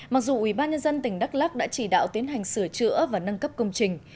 mặc dù ủy ban nhân dân tỉnh đắk lắc đã chỉ đạo tiến hành sửa chữa và nâng cấp công trình